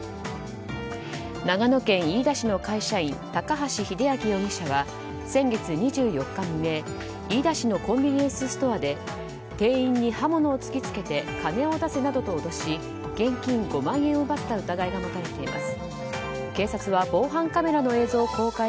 長野県飯田市の会社員高橋秀明容疑者は先月２４日未明飯田市のコンビニエンスストアで店員に刃物を突き付けて金を出せなどと脅し現金５万円を奪った疑いが持たれています。